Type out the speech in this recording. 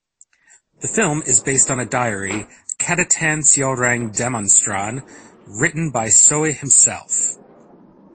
The film is based on a diary "Catatan Seorang Demonstran" written by Soe himself.